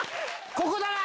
ここだな！